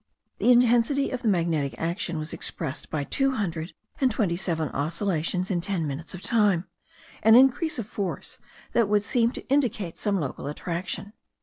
The intensity of the magnetic action was expressed by two hundred and twenty seven oscillations in ten minutes of time; an increase of force that would seem to indicate some local attraction.